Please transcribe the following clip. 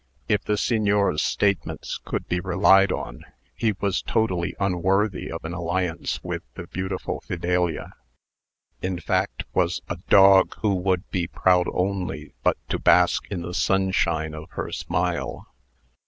If the Signor's statements could be relied on, he was totally unworthy of an alliance with the beautiful Fidelia; in fact, was a "dog who would be proud only but to bask in the sunshine of her smile."